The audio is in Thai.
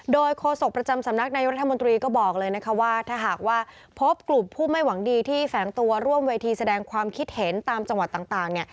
โดยโฆษกประจำสำนักนายรัฐมนตรีก็บอกเลยนะคะว่าถ้าหากว่าพบกลุ่มผู้ไม่หวังดีที่แฝงตัวร่วมเวทีแสดงความคิดเห็นตามจังหวัดต่างเนี่ย